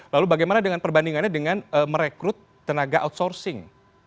lalu bagaimana dengan perbandingannya dengan merekrut tenaga outsourcing